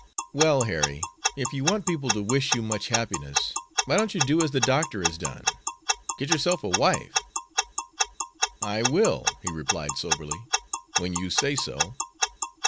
"Well, Harry, if you want people to wish you much happiness, why don't you do as the doctor has done, get yourself a wife?" "I will," he replied, soberly, "when you say so."